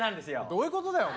どういうことだよ？